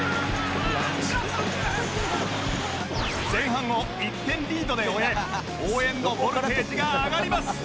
前半を１点リードで終え応援のボルテージが上がります